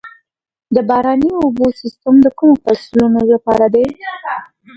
د باراني اوبو سیستم د کومو فصلونو لپاره دی؟